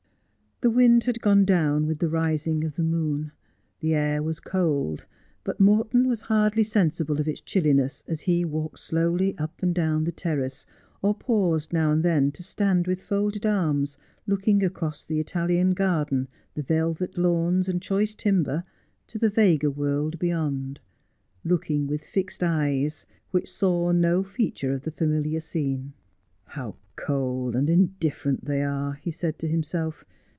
The wind had gone down with the rising of the moon. The air was cold, but Morton was hardly sensible of its chilliness as he walked slowly up and down the terrace, or paused now and then to stand with folded arms looking across the Italian garden, the velvet lawns, and choice timber, to the vaguer world beyond, looking with fixed eyes, which saw no feature of the familiar scene. ' How cold and indifferent they are !' he said to himself.